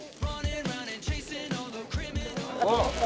あっ！